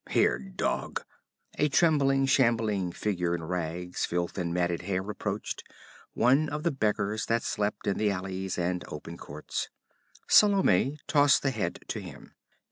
Here, dog!' A trembling, shambling figure in rags, filth and matted hair approached, one of the beggars that slept in the alleys and open courts. Salome tossed the head to him.